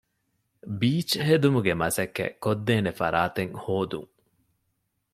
ބީޗްހެދުމުގެ މަސައްކަތް ކޮށްދޭނެ ފަރާތެއް ހޯދުން